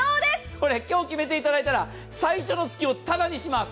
これ今日決めていただいたら、最初の月をただにします。